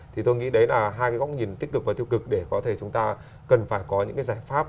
thì tôi nghĩ đấy là hai cái góc nhìn tích cực và tiêu cực để có thể chúng ta cần phải có những cái giải pháp